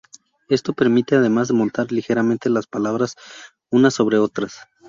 Esto permite, además montar ligeramente las palabras unas sobre otras.